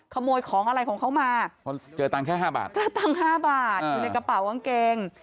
ขโมยของอะไรของเขามาเจอตังค์แค่๕บาทเจอตังค์๕บาทอยู่ในกระเป๋ากางเกง